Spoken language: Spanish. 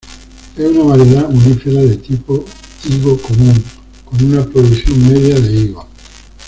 Es una variedad "unífera" de tipo higo común, con una producción media de higos.